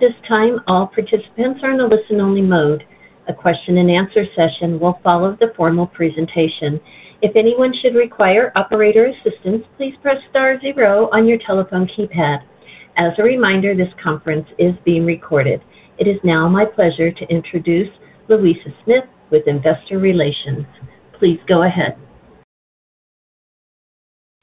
At this time, all participants are in a listen-only mode. A question-and-answer session will follow the formal presentation. If anyone should require operator assistance, please press star zero on your telephone keypad. As a reminder, this conference is being recorded. It is now my pleasure to introduce Louisa Smith with Investor Relations. Please go ahead.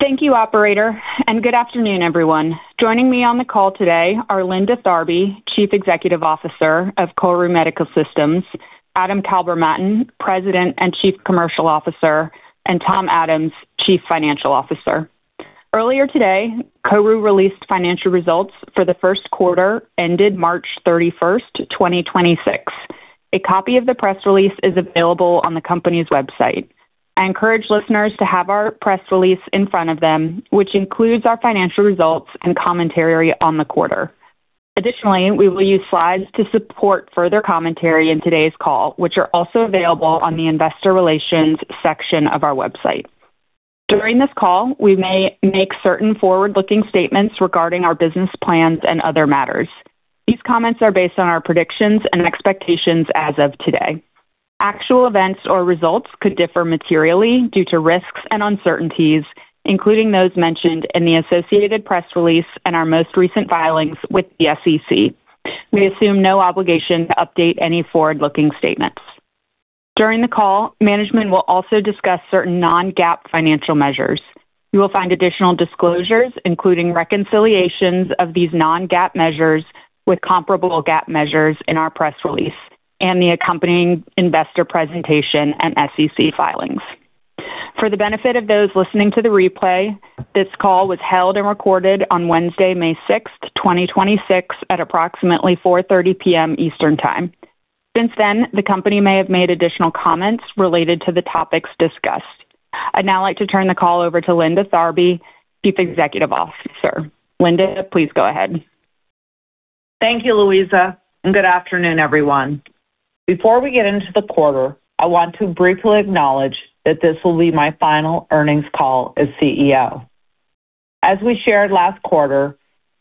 Thank you, operator, and good afternoon, everyone. Joining me on the call today are Linda Tharby, Chief Executive Officer of KORU Medical Systems, Adam Kalbermatten, President and Chief Commercial Officer, and Tom Adams, Chief Financial Officer. Earlier today, KORU released financial results for the Q1 ended March 31, 2026. A copy of the press release is available on the company's website. I encourage listeners to have our press release in front of them, which includes our financial results and commentary on the quarter. Additionally, we will use slides to support further commentary in today's call, which are also available on the investor relations section of our website. During this call, we may make certain forward-looking statements regarding our business plans and other matters. These comments are based on our predictions and expectations as of today. Actual events or results could differ materially due to risks and uncertainties, including those mentioned in the associated press release and our most recent filings with the SEC. We assume no obligation to update any forward-looking statements. During the call, management will also discuss certain non-GAAP financial measures. You will find additional disclosures, including reconciliations of these non-GAAP measures with comparable GAAP measures in our press release and the accompanying investor presentation and SEC filings. For the benefit of those listening to the replay, this call was held and recorded on Wednesday, May 6, 2026, at approximately 4:30 P.M. Eastern Time. Since then, the company may have made additional comments related to the topics discussed. I'd now like to turn the call over to Linda Tharby, Chief Executive Officer. Linda, please go ahead. Thank you, Louisa, and good afternoon, everyone. Before we get into the quarter, I want to briefly acknowledge that this will be my final earnings call as CEO. As we shared last quarter,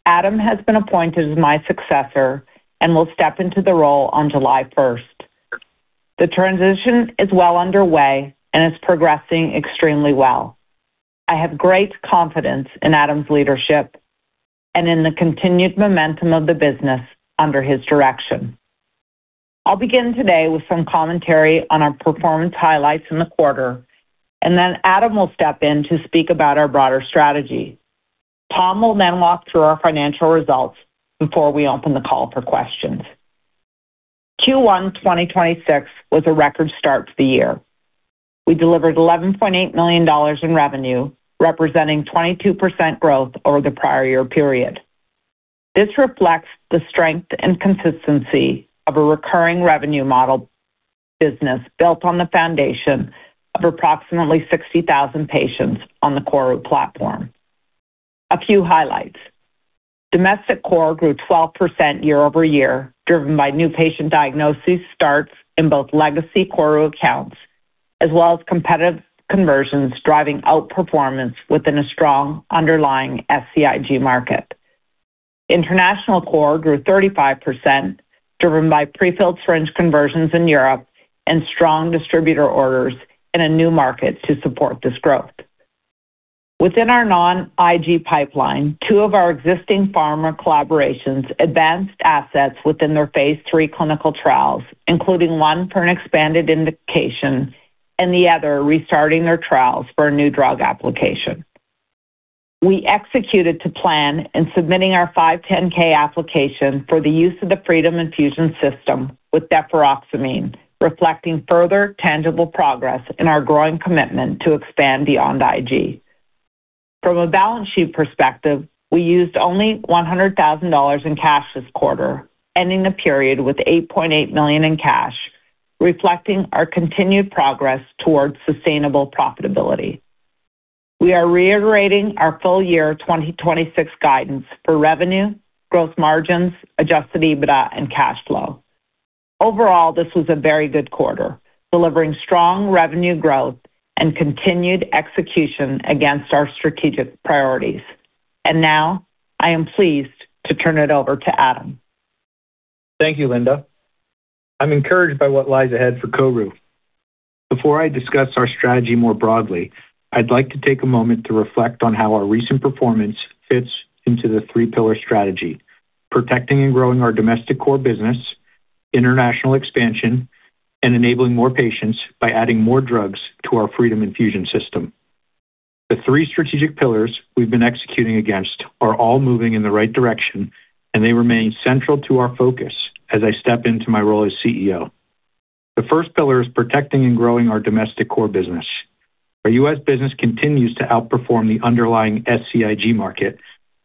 Adam has been appointed as my successor and will step into the role on July 1st. The transition is well underway and is progressing extremely well. I have great confidence in Adam's leadership and in the continued momentum of the business under his direction. I'll begin today with some commentary on our performance highlights in the quarter, and then Adam will step in to speak about our broader strategy. Tom will then walk through our financial results before we open the call for questions. Q1 2026 was a record start to the year. We delivered $11.8 million in revenue, representing 22% growth over the prior year period. This reflects the strength and consistency of a recurring revenue model business built on the foundation of approximately 60,000 patients on the KORU platform. A few highlights. Domestic core grew 12% year-over-year, driven by new patient diagnosis starts in both legacy KORU accounts as well as competitive conversions, driving outperformance within a strong underlying SCIg market. International Core grew 35%, driven by prefilled syringe conversions in Europe and strong distributor orders in a new market to support this growth. Within our non-IG pipeline, two of our existing pharma collaborations advanced assets within their phase III clinical trials, including one for an expanded indication and the other restarting their trials for a new drug application. We executed to plan in submitting our 510(k) application for the use of the Freedom Infusion System with deferoxamine, reflecting further tangible progress in our growing commitment to expand beyond IG. From a balance sheet perspective, we used only $100,000 in cash this quarter, ending the period with $8.8 million in cash, reflecting our continued progress towards sustainable profitability. We are reiterating our full year 2026 guidance for revenue, gross margins, Adjusted EBITDA, and cash flow. Overall, this was a very good quarter, delivering strong revenue growth and continued execution against our strategic priorities. Now, I am pleased to turn it over to Adam. Thank you, Linda. I'm encouraged by what lies ahead for KORU. Before I discuss our strategy more broadly, I'd like to take a moment to reflect on how our recent performance fits into the three pillar strategy, protecting and growing our domestic core business, international expansion, and enabling more patients by adding more drugs to our Freedom Infusion System. The three strategic pillars we've been executing against are all moving in the right direction, and they remain central to our focus as I step into my role as CEO. The first pillar is protecting and growing our domestic core business. Our U.S. business continues to outperform the underlying SCIg market,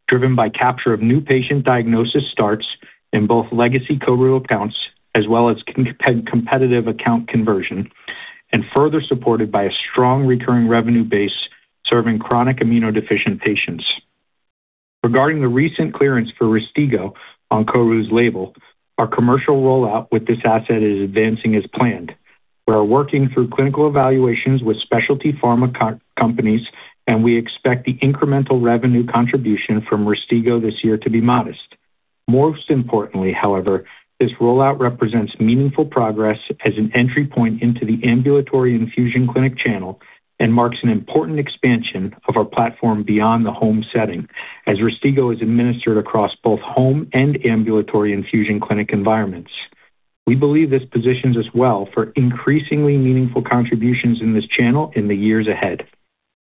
driven by capture of new patient diagnosis starts in both legacy KORU accounts as well as competitive account conversion and further supported by a strong recurring revenue base serving chronic immunodeficient patients. Regarding the recent clearance for RYSTIGGO on KORU's label, our commercial rollout with this asset is advancing as planned. We are working through clinical evaluations with specialty pharma companies, and we expect the incremental revenue contribution from RYSTIGGO this year to be modest. Most importantly, however, this rollout represents meaningful progress as an entry point into the ambulatory infusion clinic channel and marks an important expansion of our platform beyond the home setting as RYSTIGGO is administered across both home and ambulatory infusion clinic environments. We believe this positions us well for increasingly meaningful contributions in this channel in the years ahead.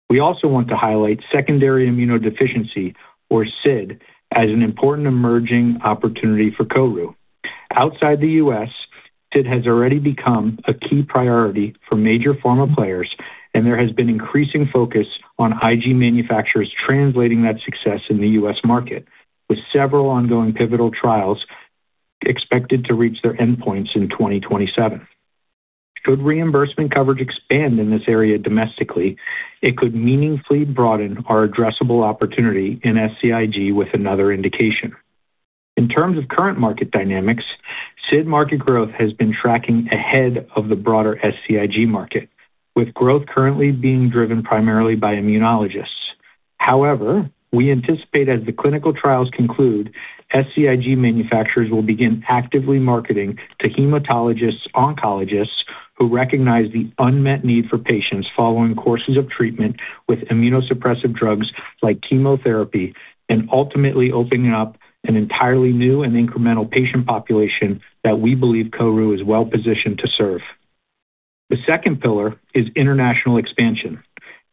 We also want to highlight secondary immunodeficiency, or SID, as an important emerging opportunity for KORU. Outside the U.S., SID has already become a key priority for major pharma players, and there has been increasing focus on IG manufacturers translating that success in the U.S. market, with several ongoing pivotal trials expected to reach their endpoints in 2027. Should reimbursement coverage expand in this area domestically, it could meaningfully broaden our addressable opportunity in SCIg with another indication. In terms of current market dynamics, SID market growth has been tracking ahead of the broader SCIg market, with growth currently being driven primarily by immunologists. However, we anticipate as the clinical trials conclude, SCIg manufacturers will begin actively marketing to hematologists, oncologists who recognize the unmet need for patients following courses of treatment with immunosuppressive drugs like chemotherapy, and ultimately opening up an entirely new and incremental patient population that we believe KORU is well-positioned to serve. The second pillar is international expansion,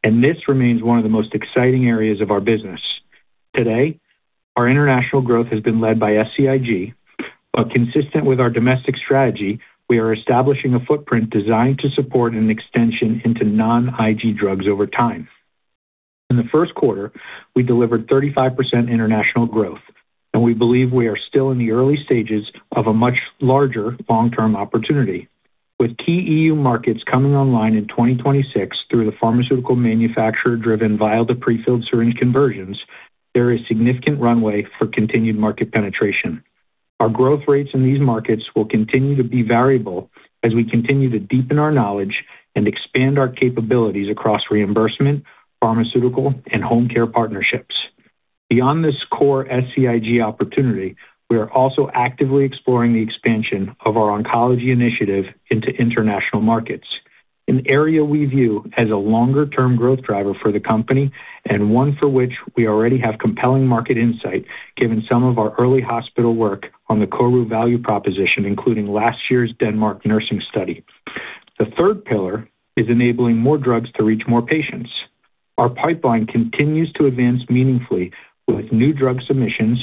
and this remains one of the most exciting areas of our business. Today, our international growth has been led by SCIg. Consistent with our domestic strategy, we are establishing a footprint designed to support an extension into non-IG drugs over time. In the Q1, we delivered 35% international growth, and we believe we are still in the early stages of a much larger long-term opportunity. With key EU markets coming online in 2026 through the pharmaceutical manufacturer-driven vial to prefilled syringe conversions, there is significant runway for continued market penetration. Our growth rates in these markets will continue to be variable as we continue to deepen our knowledge and expand our capabilities across reimbursement, pharmaceutical, and home care partnerships. Beyond this core SCIg opportunity, we are also actively exploring the expansion of our oncology initiative into international markets, an area we view as a longer-term growth driver for the company and one for which we already have compelling market insight, given some of our early hospital work on the KORU value proposition, including last year's Denmark nursing study. The third pillar is enabling more drugs to reach more patients. Our pipeline continues to advance meaningfully with new drug submissions,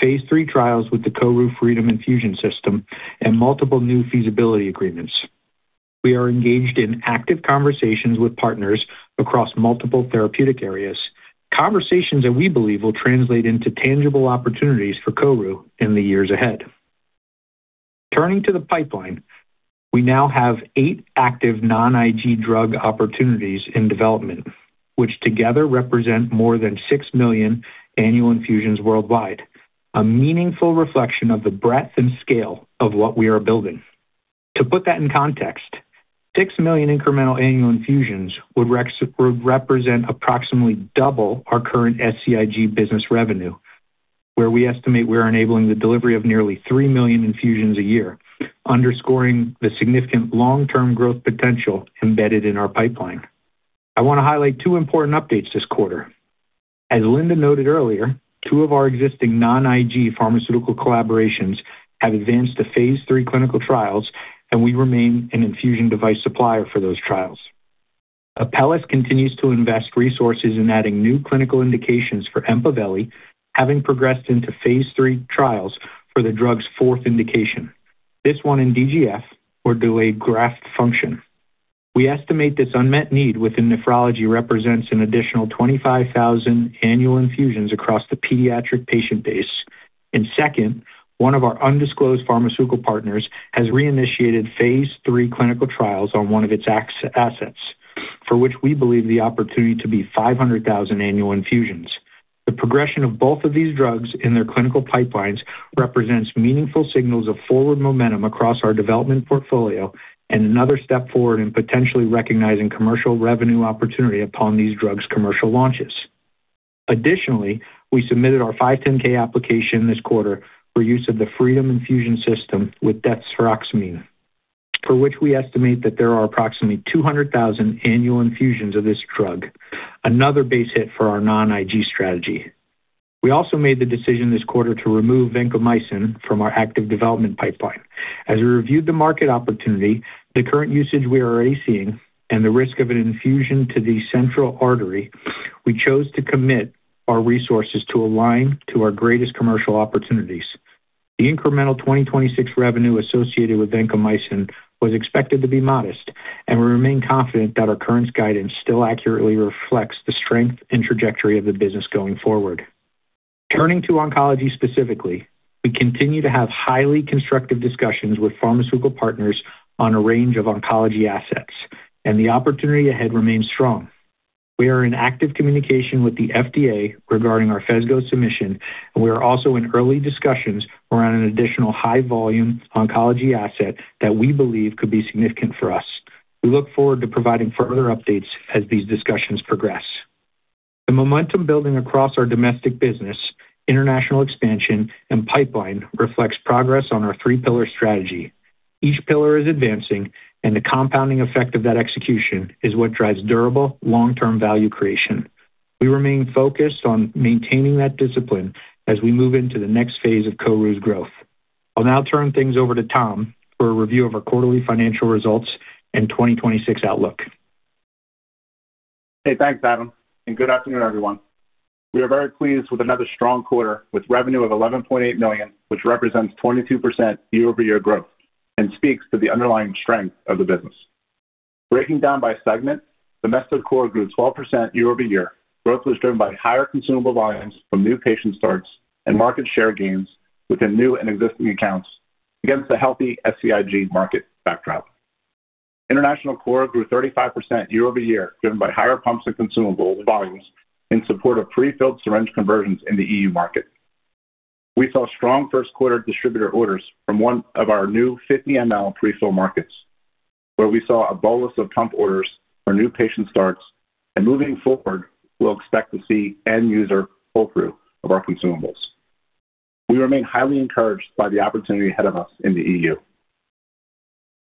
phase III trials with the KORU Freedom infusion system, and multiple new feasibility agreements. We are engaged in active conversations with partners across multiple therapeutic areas, conversations that we believe will translate into tangible opportunities for KORU in the years ahead. Turning to the pipeline, we now have eight active non-IG drug opportunities in development, which together represent more than 6 million annual infusions worldwide, a meaningful reflection of the breadth and scale of what we are building. To put that in context, 6 million incremental annual infusions would represent approximately double our current SCIg business revenue, where we estimate we're enabling the delivery of nearly 3 million infusions a year, underscoring the significant long-term growth potential embedded in our pipeline. I wanna highlight two important updates this quarter. As Linda noted earlier, two of our existing non-IG pharmaceutical collaborations have advanced to phase III clinical trials, and we remain an infusion device supplier for those trials. Apellis continues to invest resources in adding new clinical indications for EMPAVELI, having progressed into phase III trials for the drug's fourth indication. This one in DGF, or delayed graft function. We estimate this unmet need within nephrology represents an additional 25,000 annual infusions across the pediatric patient base. Second, one of our undisclosed pharmaceutical partners has reinitiated phase III clinical trials on one of its assets, for which we believe the opportunity to be 500,000 annual infusions. The progression of both of these drugs in their clinical pipelines represents meaningful signals of forward momentum across our development portfolio and another step forward in potentially recognizing commercial revenue opportunity upon these drugs' commercial launches. Additionally, we submitted our 510(k) application this quarter for use of the Freedom Infusion System with deferoxamine, for which we estimate that there are approximately 200,000 annual infusions of this drug, another base hit for our non-IG strategy. We also made the decision this quarter to remove vancomycin from our active development pipeline. As we reviewed the market opportunity, the current usage we are already seeing, and the risk of an infusion to the central artery, we chose to commit our resources to align to our greatest commercial opportunities. The incremental 2026 revenue associated with vancomycin was expected to be modest. We remain confident that our current guidance still accurately reflects the strength and trajectory of the business going forward. Turning to oncology specifically, we continue to have highly constructive discussions with pharmaceutical partners on a range of oncology assets. The opportunity ahead remains strong. We are in active communication with the FDA regarding our PHESGO submission. We are also in early discussions around an additional high-volume oncology asset that we believe could be significant for us. We look forward to providing further updates as these discussions progress. The momentum building across our domestic business, international expansion, and pipeline reflects progress on our three-pillar strategy. Each pillar is advancing, and the compounding effect of that execution is what drives durable long-term value creation. We remain focused on maintaining that discipline as we move into the next phase of KORU's growth. I'll now turn things over to Tom for a review of our quarterly financial results and 2026 outlook. Hey, thanks, Adam. Good afternoon, everyone. We are very pleased with another strong quarter with revenue of $11.8 million, which represents 22% year-over-year growth and speaks to the underlying strength of the business. Breaking down by segment, Domestic Core grew 12% year-over-year. Growth was driven by higher consumable volumes from new patient starts and market share gains within new and existing accounts against a healthy SCIg market backdrop. International Core grew 35% year-over-year, driven by higher pumps and consumable volumes in support of pre-filled syringe conversions in the EU market. We saw strong Q1 distributor orders from one of our new 50 mL pre-fill markets, where we saw a bolus of pump orders for new patient starts. Moving forward, we'll expect to see end user pull-through of our consumables. We remain highly encouraged by the opportunity ahead of us in the E.U.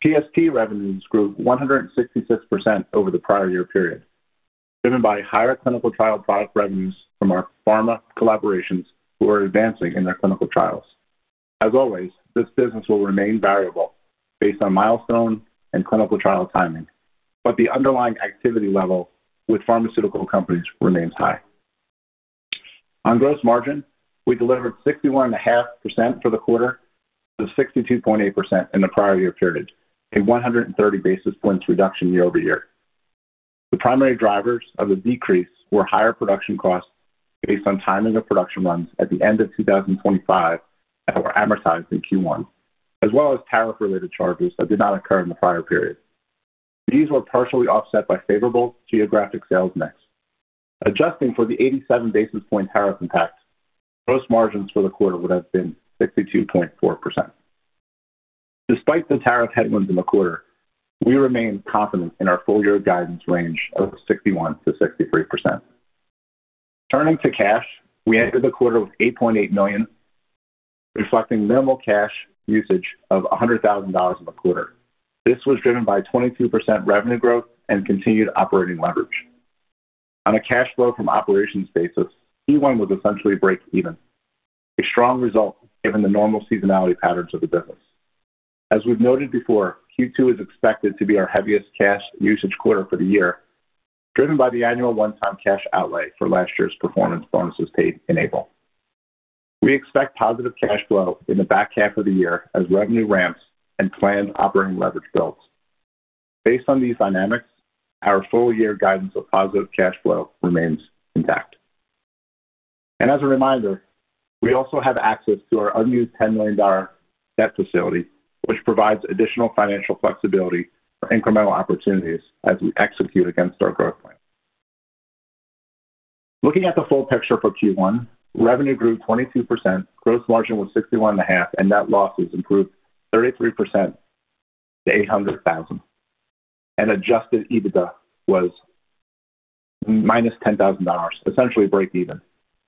PST revenues grew 166% over the prior year period, driven by higher clinical trial product revenues from our pharma collaborations who are advancing in their clinical trials. As always, this business will remain variable based on milestone and clinical trial timing. The underlying activity level with pharmaceutical companies remains high. On gross margin, we delivered 61.5% for the quarter to 62.8% in the prior year period, a 130 basis points reduction year-over-year. The primary drivers of the decrease were higher production costs based on timing of production runs at the end of 2025 that were amortized in Q1, as well as tariff-related charges that did not occur in the prior period. These were partially offset by favorable geographic sales mix. Adjusting for the 87 basis point tariff impact, gross margins for the quarter would have been 62.4%. Despite the tariff headwinds in the quarter, we remain confident in our full year guidance range of 61%-63%. Turning to cash, we entered the quarter with $8.8 million, reflecting minimal cash usage of $100,000 in the quarter. This was driven by 22% revenue growth and continued operating leverage. On a cash flow from operations basis, Q1 was essentially break even. A strong result given the normal seasonality patterns of the business. As we've noted before, Q2 is expected to be our heaviest cash usage quarter for the year, driven by the annual one-time cash outlay for last year's performance bonuses paid in April. We expect positive cash flow in the back half of the year as revenue ramps and planned operating leverage builds. Based on these dynamics, our full year guidance of positive cash flow remains intact. As a reminder, we also have access to our unused $10 million debt facility, which provides additional financial flexibility for incremental opportunities as we execute against our growth plan. Looking at the full picture for Q1, revenue grew 22%, gross margin was 61.5%, and net losses improved 33% to $800,000. Adjusted EBITDA was -$10,000, essentially break even,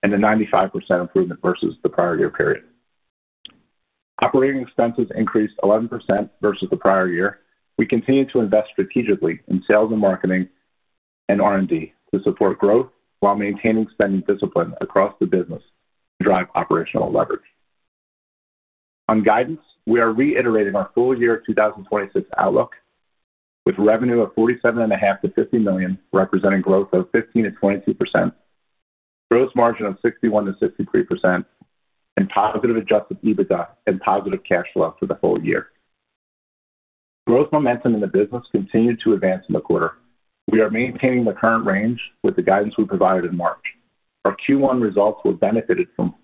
and a 95% improvement versus the prior year period. Operating expenses increased 11% versus the prior year. We continue to invest strategically in sales and marketing and R&D to support growth while maintaining spending discipline across the business to drive operational leverage. On guidance, we are reiterating our full year 2026 outlook with revenue of $47.5 million-$50 million, representing growth of 15%-22%, gross margin of 61%-63%, and positive Adjusted EBITDA and positive cash flow for the whole year. Growth momentum in the business continued to advance in the quarter. We are maintaining the current range with the guidance we provided in March. Our Q1 results were benefited from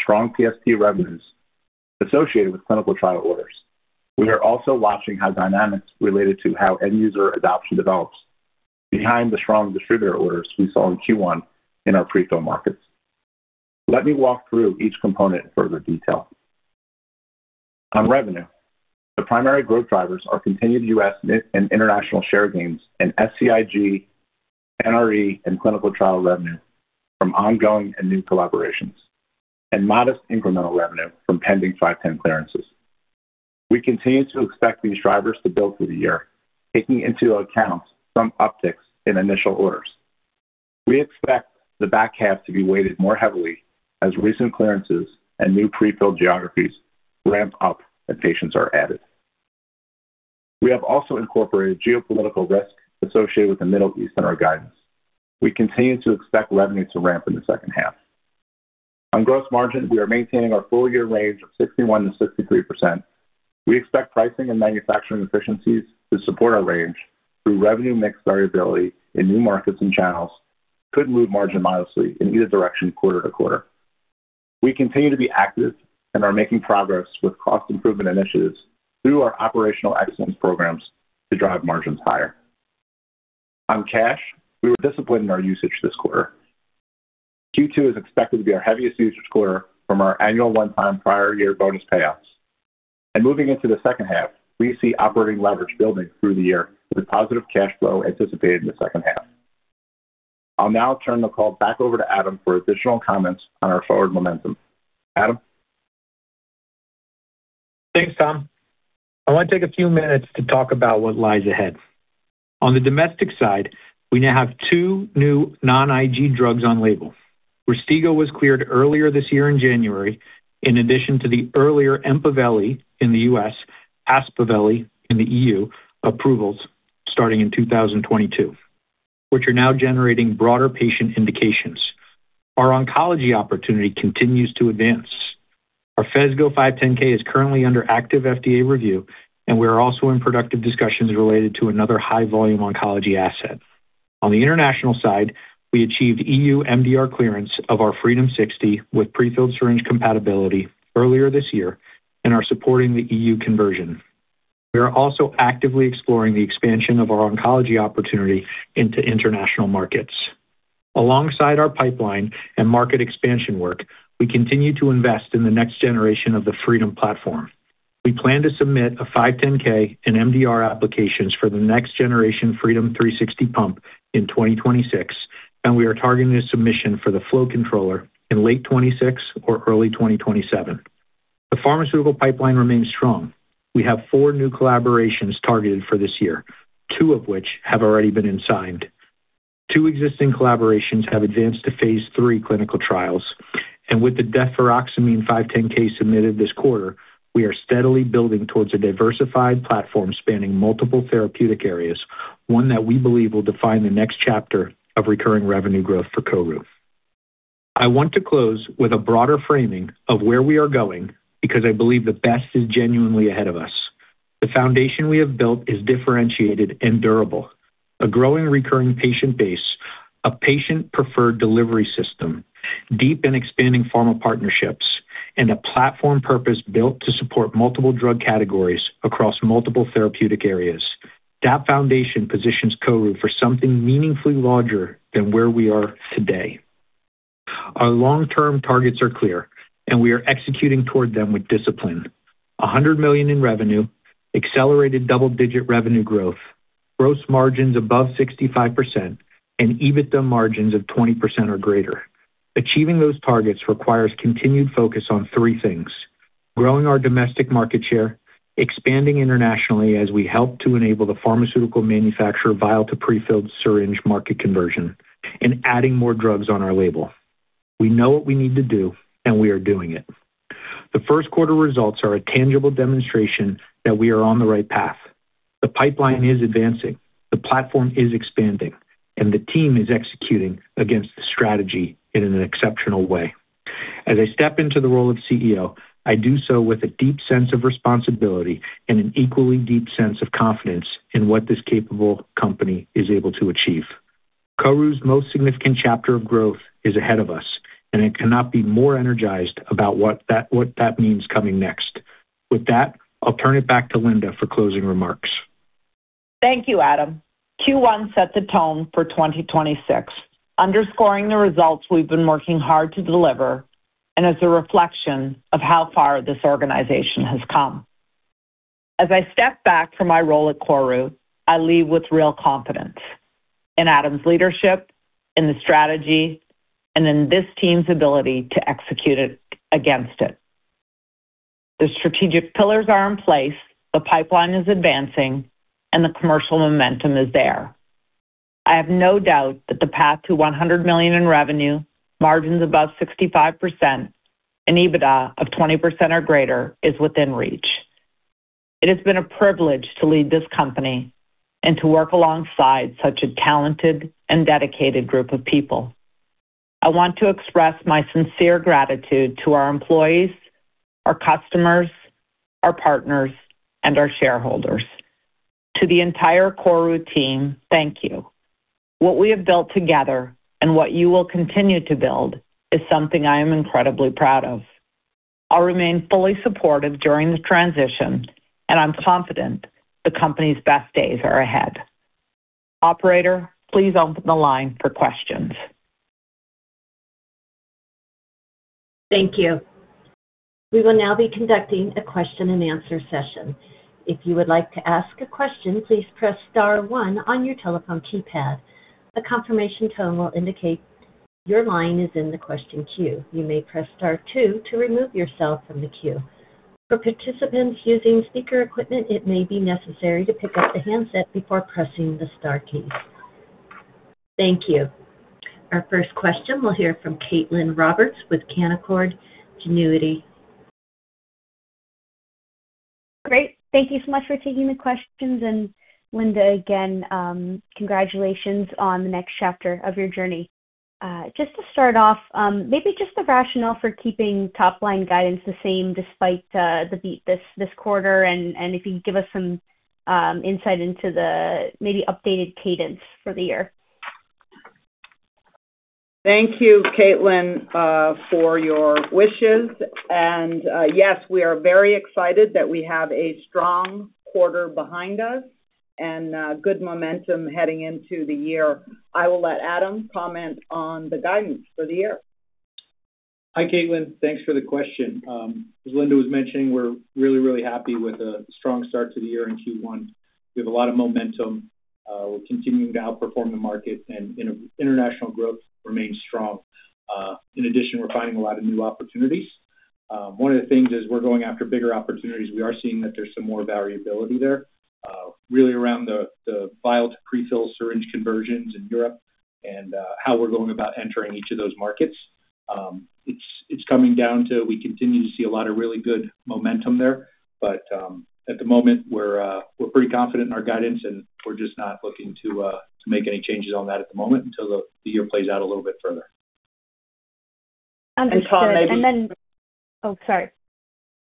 strong PST revenues associated with clinical trial orders. We are also watching how dynamics related to how end user adoption develops behind the strong distributor orders we saw in Q1 in our pre-fill markets. Let me walk through each component in further detail. On revenue, the primary growth drivers are continued U.S. and international share gains in SCIg, NRE, and clinical trial revenue from ongoing and new collaborations, and modest incremental revenue from pending 510(k) clearance. We continue to expect these drivers to build through the year, taking into account some upticks in initial orders. We expect the back half to be weighted more heavily as recent clearances and new pre-filled geographies ramp up and patients are added. We have also incorporated geopolitical risk associated with the Middle East in our guidance. We continue to expect revenue to ramp in the second half. On gross margin, we are maintaining our full year range of 61%-63%. We expect pricing and manufacturing efficiencies to support our range through revenue mix variability in new markets and channels could move margin modestly in either direction quarter to quarter. We continue to be active and are making progress with cost improvement initiatives through our Operational Excellence programs to drive margins higher. On cash, we were disciplined in our usage this quarter. Q2 is expected to be our heaviest usage quarter from our annual one-time prior year bonus payouts. Moving into the second half, we see operating leverage building through the year with positive cash flow anticipated in the second half. I'll now turn the call back over to Adam for additional comments on our forward momentum. Adam? Thanks, Tom. I want to take a few minutes to talk about what lies ahead. On the domestic side, we now have two new non-IG drugs on label. RYSTIGGO was cleared earlier this year in January, in addition to the earlier EMPAVELI in the U.S., Aspaveli in the E.U. approvals starting in 2022, which are now generating broader patient indications. Our oncology opportunity continues to advance. Our PHESGO 510(k) is currently under active FDA review. We are also in productive discussions related to another high-volume oncology asset. On the international side, we achieved EU MDR clearance of our Freedom60 with prefilled syringe compatibility earlier this year and are supporting the EU conversion. We are also actively exploring the expansion of our oncology opportunity into international markets. Alongside our pipeline and market expansion work, we continue to invest in the next generation of the Freedom platform. We plan to submit a 510(k) and MDR applications for the next generation Freedom60 pump in 2026, and we are targeting a submission for the flow controller in late 2026 or early 2027. The pharmaceutical pipeline remains strong. We have four new collaborations targeted for this year, two of which have already been signed. Two existing collaborations have advanced to phase III clinical trials. With the deferoxamine 510(k) submitted this quarter, we are steadily building towards a diversified platform spanning multiple therapeutic areas, one that we believe will define the next chapter of recurring revenue growth for KORU. I want to close with a broader framing of where we are going because I believe the best is genuinely ahead of us. The foundation we have built is differentiated and durable. A growing recurring patient base, a patient-preferred delivery system, deep and expanding pharma partnerships, and a platform purpose built to support multiple drug categories across multiple therapeutic areas. That foundation positions KORU for something meaningfully larger than where we are today. Our long-term targets are clear, and we are executing toward them with discipline. $100 million in revenue, accelerated double-digit revenue growth, gross margins above 65%, and EBITDA margins of 20% or greater. Achieving those targets requires continued focus on three things: growing our domestic market share, expanding internationally as we help to enable the pharmaceutical manufacturer vial to pre-filled syringe market conversion, and adding more drugs on our label. We know what we need to do, and we are doing it. The Q1 results are a tangible demonstration that we are on the right path. The pipeline is advancing, the platform is expanding, and the team is executing against the strategy in an exceptional way. As I step into the role of CEO, I do so with a deep sense of responsibility and an equally deep sense of confidence in what this capable company is able to achieve. KORU's most significant chapter of growth is ahead of us, and it cannot be more energized about what that means coming next. With that, I'll turn it back to Linda for closing remarks. Thank you, Adam. Q1 set the tone for 2026, underscoring the results we've been working hard to deliver. As a reflection of how far this organization has come, as I step back from my role at KORU, I leave with real confidence in Adam's leadership, in the strategy, and in this team's ability to execute it against it. The strategic pillars are in place, the pipeline is advancing. The commercial momentum is there. I have no doubt that the path to $100 million in revenue, margins above 65%, EBITDA of 20% or greater is within reach. It has been a privilege to lead this company and to work alongside such a talented and dedicated group of people. I want to express my sincere gratitude to our employees, our customers, our partners, and our shareholders. To the entire KORU team, thank you. What we have built together and what you will continue to build is something I am incredibly proud of. I'll remain fully supportive during the transition, and I'm confident the company's best days are ahead. Operator, please open the line for questions. Thank you. We will now be conducting a question and answer session. If you would like to ask a question, please press star one on your telephone keypad. A confirmation tone will indicate your line is in the question queue. You may press star two to remove yourself from the queue. For participants using speaker equipment, it may be necessary to pick up the handset before pressing the star key. Thank you. Our first question, we will hear from Caitlin Roberts with Canaccord Genuity. Great. Thank you so much for taking the questions. Linda, again, congratulations on the next chapter of your journey. Just to start off, maybe just the rationale for keeping top-line guidance the same despite the beat this quarter, and if you can give us some insight into the maybe updated cadence for the year? Thank you, Caitlin, for your wishes. Yes, we are very excited that we have a strong quarter behind us and, good momentum heading into the year. I will let Adam comment on the guidance for the year. Hi, Caitlin. Thanks for the question. As Linda was mentioning, we're really happy with the strong start to the year in Q1. We have a lot of momentum. We're continuing to outperform the market. International growth remains strong. In addition, we're finding a lot of new opportunities. One of the things as we're going after bigger opportunities, we are seeing that there's some more variability there, really around the vial to pre-fill syringe conversions in Europe and how we're going about entering each of those markets. It's coming down to we continue to see a lot of really good momentum there. At the moment, we're pretty confident in our guidance, and we're just not looking to make any changes on that at the moment until the year plays out a little bit further. Understood. Tom. Oh, sorry.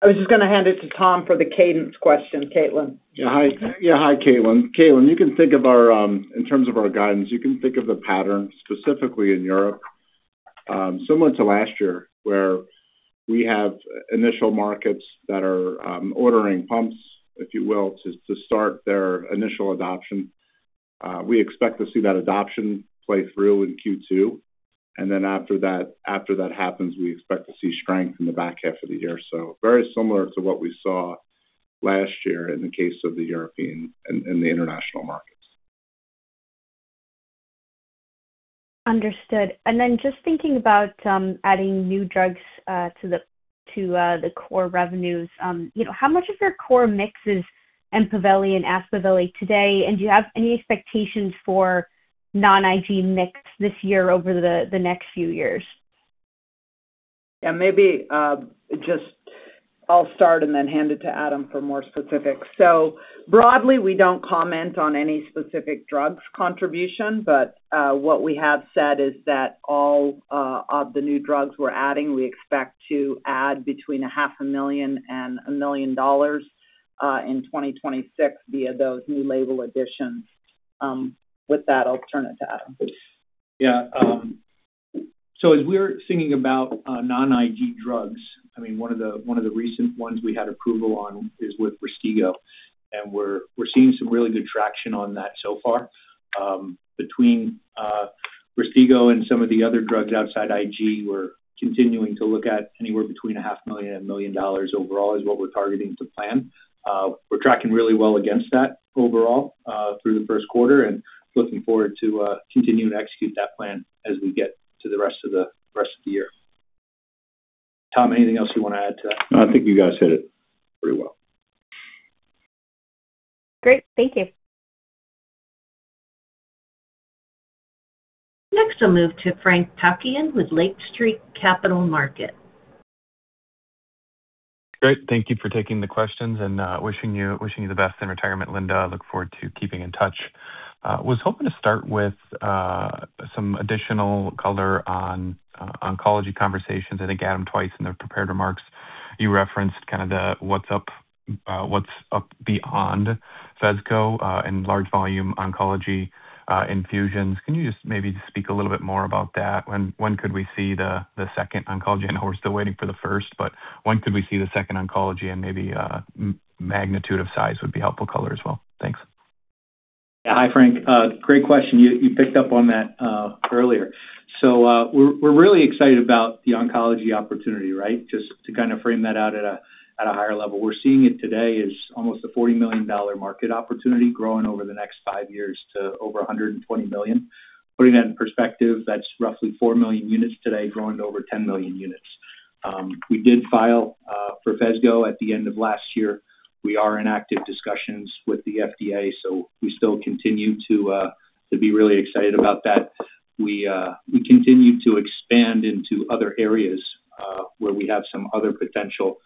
I was just gonna hand it to Tom for the cadence question, Caitlin. Hi, Caitlin. Caitlin, you can think of our In terms of our guidance, you can think of the pattern, specifically in Europe, similar to last year, where we have initial markets that are ordering pumps, if you will, to start their initial adoption. We expect to see that adoption play through in Q2. After that happens, we expect to see strength in the back half of the year. Very similar to what we saw last year in the case of the European and the international markets. Understood. Then just thinking about adding new drugs to the core revenues, you know, how much of your core mix is EMPAVELI and Aspaveli today? Do you have any expectations for non-IG mix this year over the next few years? Maybe, just I'll start and then hand it to Adam for more specifics. Broadly, we don't comment on any specific drug's contribution, but what we have said is that all of the new drugs we're adding, we expect to add between a $0.5 million and $1 million in 2026 via those new label additions. With that, I'll turn it to Adam. Yeah. As we're thinking about non-IG drugs, I mean, one of the recent ones we had approval on is with RYSTIGGO, and we're seeing some really good traction on that so far. Between RYSTIGGO and some of the other drugs outside IG, we're continuing to look at anywhere between $0.5 million and $1 million overall is what we're targeting to plan. We're tracking really well against that overall through the Q1 and looking forward to continuing to execute that plan as we get to the rest of the year. Tom, anything else you want to add to that? No, I think you guys hit it pretty well. Great. Thank you. I'll move to Frank Takkinen with Lake Street Capital Markets. Great. Thank you for taking the questions and wishing you the best in retirement, Linda. I look forward to keeping in touch. Was hoping to start with some additional color on oncology conversations. I think, Adam, twice in the prepared remarks, you referenced kind of the what's up, what's up beyond PHESGO, in large volume oncology infusions. Can you just maybe speak a little bit more about that? When could we see the second oncology? I know we're still waiting for the first, when could we see the second oncology? Maybe magnitude of size would be helpful color as well. Thanks. Yeah. Hi, Frank. Great question. You picked up on that earlier. We're really excited about the oncology opportunity, right? Just to kind of frame that out at a higher level. We're seeing it today as almost a $40 million market opportunity growing over the next five years to over $120 million. Putting that in perspective, that's roughly 4 million units today, growing to over 10 million units. We did file for PHESGO at the end of last year. We are in active discussions with the FDA, we still continue to be really excited about that. We continue to expand into other areas, where we have some other potential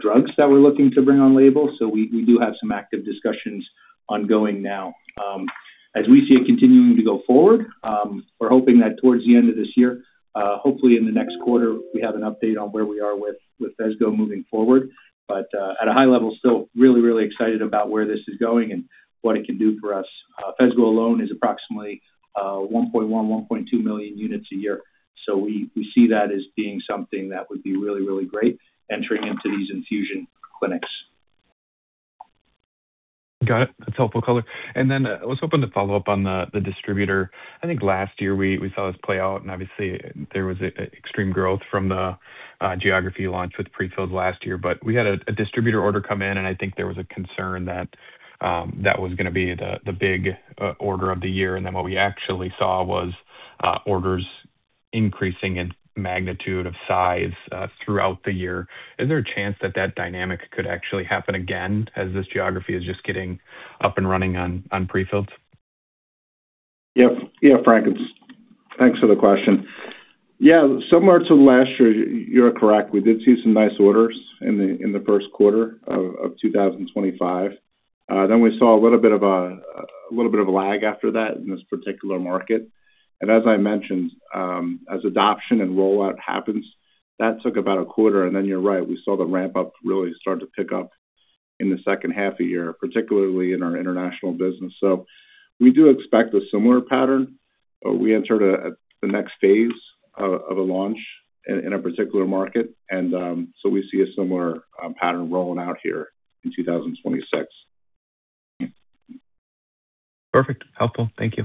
drugs that we're looking to bring on label. We do have some active discussions ongoing now. As we see it continuing to go forward, we're hoping that towards the end of this year, hopefully in the next quarter, we have an update on where we are with PHESGO moving forward. At a high level still, really excited about where this is going and what it can do for us. PHESGO alone is approximately 1.1, 1.2 million units a year. We see that as being something that would be great entering into these infusion clinics. Got it. That's helpful color. Then I was hoping to follow up on the distributor. I think last year we saw this play out, and obviously there was an extreme growth from the geography launch with pre-fills last year. We had a distributor order come in, and I think there was a concern that that was gonna be the big order of the year. Then what we actually saw was orders increasing in magnitude of size throughout the year. Is there a chance that that dynamic could actually happen again as this geography is just getting up and running on pre-fills? Yep. Frank, it's-Thanks for the question. Similar to last year, you're correct. We did see some nice orders in the Q1 of 2025. We saw a little bit of a lag after that in this particular market. As I mentioned, as adoption and rollout happens, that took about a quarter. You're right, we saw the ramp-up really start to pick up in the second half of the year, particularly in our international business. We do expect a similar pattern, but we entered the next phase of a launch in a particular market. We see a similar pattern rolling out here in 2026. Perfect. Helpful. Thank you.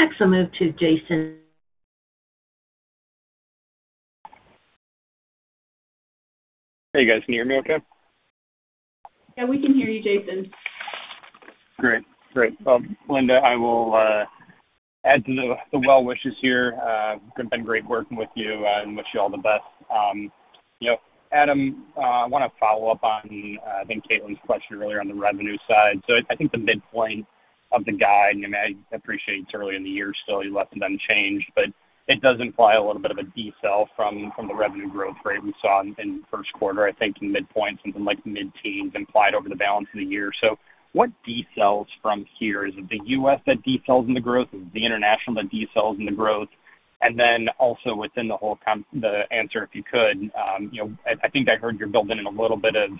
Next, I'll move to Jason- Hey, you guys, can you hear me okay? Yeah, we can hear you, Jason. Great. Great. Linda, I will add to the well wishes here. It's been great working with you and wish you all the best. You know, Adam, I want to follow up on I think Caitlin's question earlier on the revenue side. I think the midpoint of the guide, and I appreciate it's early in the year, so you'd like them unchanged, but it does imply a little bit of a decel from the revenue growth rate we saw in Q1. I think in midpoint, something like mid-teens implied over the balance of the year. What decels from here? Is it the U.S. that decels in the growth? Is it the international that decels in the growth? Also within the whole answer, if you could, you know, I think I heard you're building in a little bit of,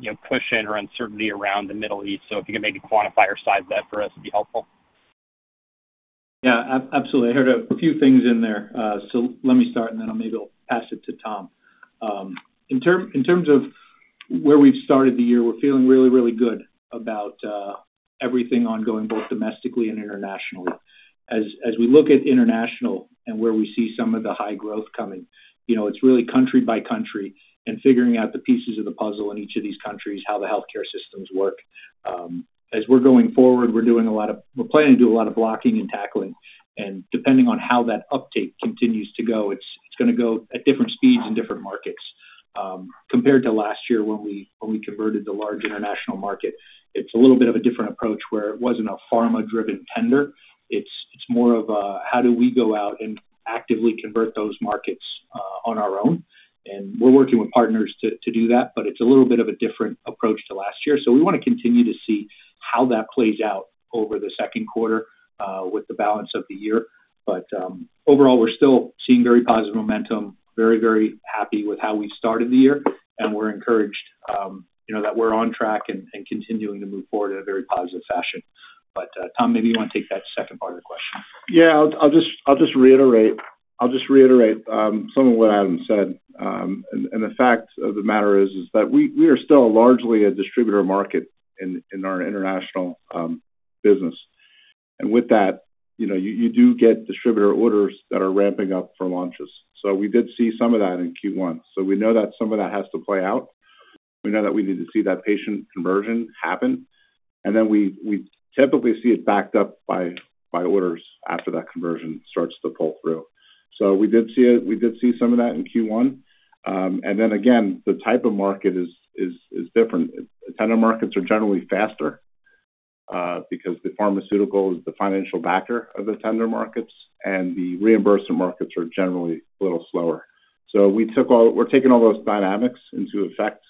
you know, cushion or uncertainty around the Middle East. If you could maybe quantify or size that for us, it'd be helpful. Yeah. Absolutely. I heard a few things in there. Let me start, and then I'll maybe I'll pass it to Tom. In terms of where we've started the year, we're feeling really good about everything ongoing, both domestically and internationally. As we look at international and where we see some of the high growth coming, you know, it's really country by country and figuring out the pieces of the puzzle in each of these countries, how the healthcare systems work. As we're going forward, we're planning to do a lot of blocking and tackling. Depending on how that uptake continues to go, it's gonna go at different speeds in different markets. Compared to last year when we converted the large international market, it's a little bit of a different approach where it wasn't a pharma-driven tender. It's more of a how do we go out and actively convert those markets on our own. We're working with partners to do that, but it's a little bit of a different approach to last year. We wanna continue to see how that plays out over the Q2 with the balance of the year. Overall, we're still seeing very positive momentum, very happy with how we started the year, and we're encouraged, you know, that we're on track and continuing to move forward in a very positive fashion. Tom, maybe you wanna take that second part of the question. Yeah. I'll just reiterate some of what Adam said. The fact of the matter is that we are still largely a distributor market in our international business. With that, you know, you do get distributor orders that are ramping up for launches. We did see some of that in Q1. We know that some of that has to play out. We know that we need to see that patient conversion happen. We typically see it backed up by orders after that conversion starts to pull through. We did see some of that in Q1. Again, the type of market is different. Tender markets are generally faster, because the pharmaceutical is the financial backer of the tender markets, and the reimbursement markets are generally a little slower. We're taking all those dynamics into effect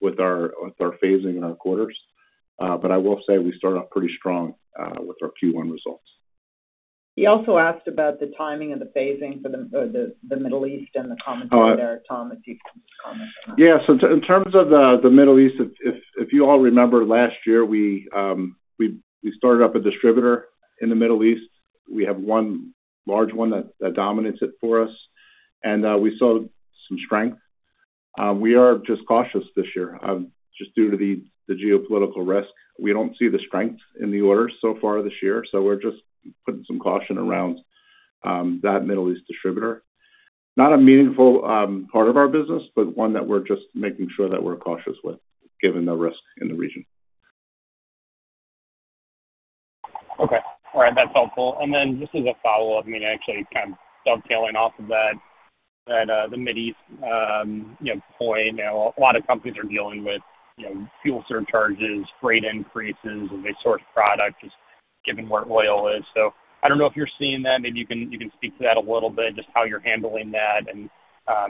with our phasing in our quarters. I will say we started off pretty strong, with our Q1 results. He also asked about the timing and the phasing for the Middle East and the commentary there, Tom, if you can comment on that. Yeah. In terms of the Middle East, if you all remember last year, we started up a distributor in the Middle East. We have one large one that dominates it for us. We saw some strength. We are just cautious this year, just due to the geopolitical risk. We don't see the strength in the orders so far this year, we're just putting some caution around that Middle East distributor. Not a meaningful part of our business, but one that we're just making sure that we're cautious with given the risk in the region. Okay. All right. That's helpful. Then just as a follow-up, I mean, actually kind of dovetailing off of that, the Mid East, you know, point. You know, a lot of companies are dealing with, you know, fuel surcharges, freight increases as they source product, just given where oil is. I don't know if you're seeing that. Maybe you can, you can speak to that a little bit, just how you're handling that and,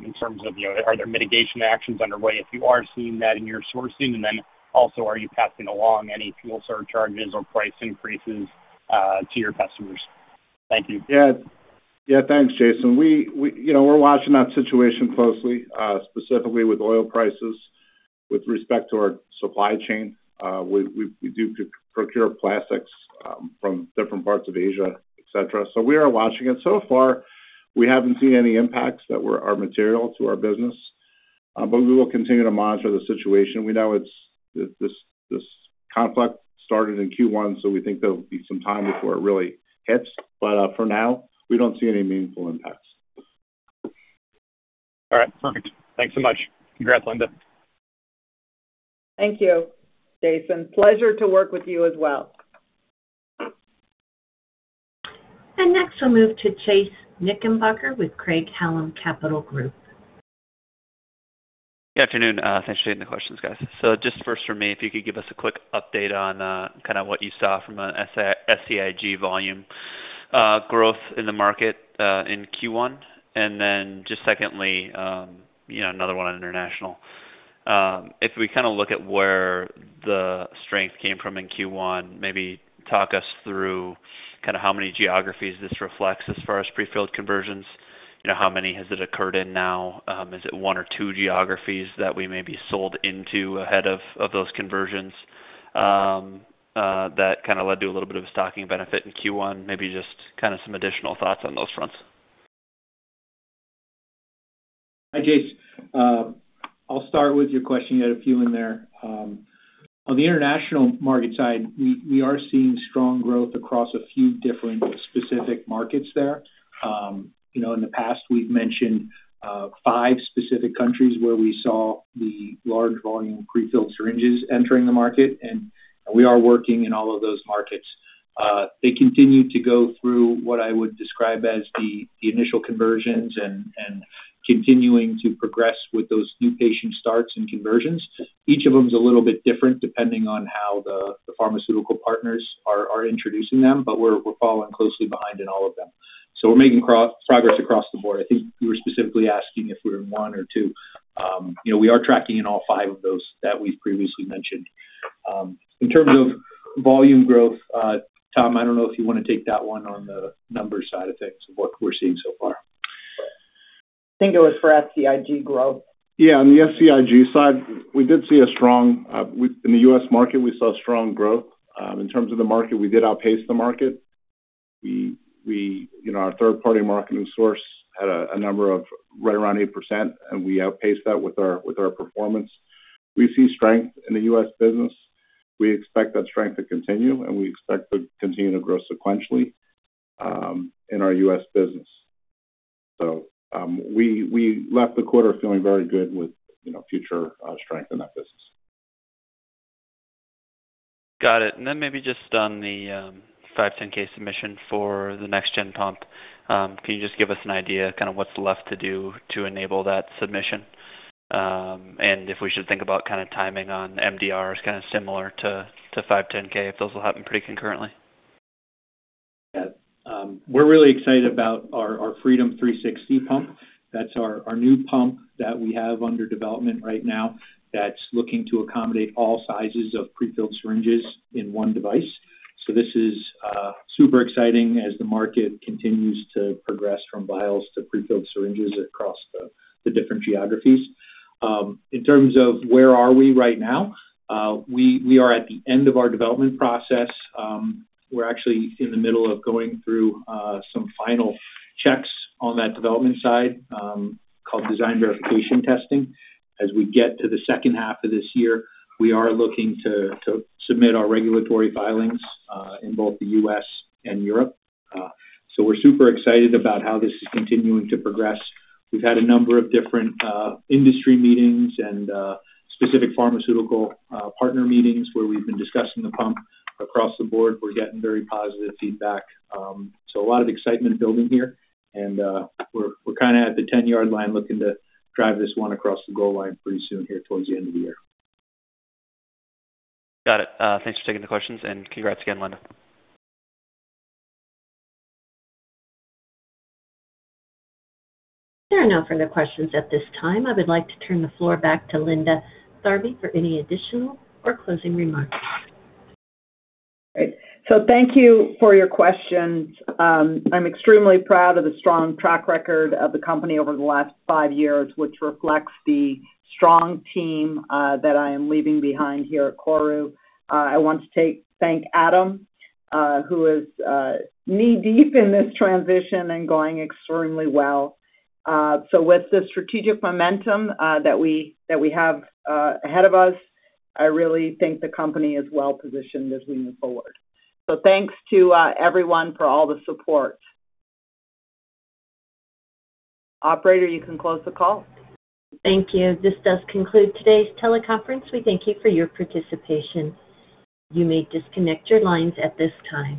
in terms of, you know, are there mitigation actions underway if you are seeing that in your sourcing? Then also, are you passing along any fuel surcharges or price increases, to your customers? Thank you. Yeah. Thanks, Jason. We, you know, we're watching that situation closely, specifically with oil prices with respect to our supply chain. We do procure plastics from different parts of Asia, et cetera. We are watching it. So far, we haven't seen any impacts that were material to our business. We will continue to monitor the situation. We know this conflict started in Q1, we think there'll be some time before it really hits. For now, we don't see any meaningful impacts. All right. Perfect. Thanks so much. Congrats, Linda. Thank you, Jason. Pleasure to work with you as well. Next, we'll move to Chase Knickerbocker with Craig-Hallum Capital Group. Good afternoon. Thanks for taking the questions, guys. Just first for me, if you could give us a quick update on, kinda what you saw from a SCIg volume growth in the market in Q1. Then just secondly, you know, another one on international. If we kinda look at where the strength came from in Q1, maybe talk us through kinda how many geographies this reflects as far as pre-filled conversions. You know, how many has it occurred in now? Is it one or two geographies that we may be sold into ahead of those conversions that kinda led to a little bit of a stocking benefit in Q1? Maybe just kinda some additional thoughts on those fronts. Hi, Chase. I'll start with your question. You had a few in there. On the international market side, we are seeing strong growth across a few different specific markets there. You know, in the past, we've mentioned five specific countries where we saw the large volume pre-filled syringes entering the market. We are working in all of those markets. They continue to go through what I would describe as the initial conversions and continuing to progress with those new patient starts and conversions. Each of them is a little bit different depending on how the pharmaceutical partners are introducing them. We're following closely behind in all of them. We're making progress across the board. I think you were specifically asking if we're in one or two. You know, we are tracking in all five of those that we've previously mentioned. In terms of volume growth, Tom, I don't know if you wanna take that one on the numbers side of things of what we're seeing so far. I think it was for SCIg growth. On the SCIg side, in the US market, we saw strong growth. In terms of the market, we did outpace the market. We, you know, our third-party marketing source had a number of right around 8%, and we outpaced that with our performance. We see strength in the U.S. business. We expect that strength to continue, and we expect to continue to grow sequentially in our U.S. business. We left the quarter feeling very good with, you know, future strength in that business. Got it. Maybe just on the 510(k) submission for the next gen pump. Can you just give us an idea kinda what's left to do to enable that submission? If we should think about kinda timing on MDRs kinda similar to 510(k), if those will happen pretty concurrently. Yeah. We're really excited about our Freedom 360 pump. That's our new pump that we have under development right now that's looking to accommodate all sizes of pre-filled syringes in one device. This is super exciting as the market continues to progress from vials to pre-filled syringes across the different geographies. In terms of where are we right now, we are at the end of our development process. We're actually in the middle of going through some final checks on that development side, called design verification testing. As we get to the second half of this year, we are looking to submit our regulatory filings in both the U.S. and Europe. We're super excited about how this is continuing to progress. We've had a number of different industry meetings and specific pharmaceutical partner meetings where we've been discussing the pump. Across the board, we're getting very positive feedback. A lot of excitement building here, and we're kinda at the 10-yard line looking to drive this one across the goal line pretty soon here towards the end of the year. Got it. Thanks for taking the questions, and congrats again, Linda. There are no further questions at this time. I would like to turn the floor back to Linda Tharby for any additional or closing remarks. Great. Thank you for your questions. I'm extremely proud of the strong track record of the company over the last five years, which reflects the strong team that I am leaving behind here at KORU. I want to thank Adam, who is knee-deep in this transition and going extremely well. With the strategic momentum that we have ahead of us, I really think the company is well-positioned as we move forward. Thanks to everyone for all the support. Operator, you can close the call. Thank you. This does conclude today's teleconference. We thank you for your participation. You may disconnect your lines at this time.